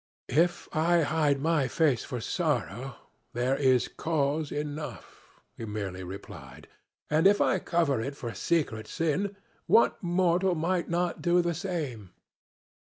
"If I hide my face for sorrow, there is cause enough," he merely replied; "and if I cover it for secret sin, what mortal might not do the same?"